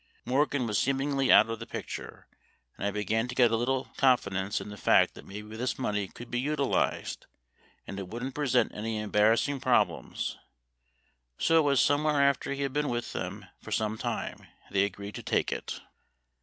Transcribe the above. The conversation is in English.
Morgan was seemingly out of the picture, and I began to get a little confidence in the fact that maybe this money could be utilized, and it wouldn't present any embarrassing problems. So it was somewhere after he had been with them for some time they agreed to take it.